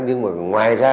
nhưng mà ngoài ra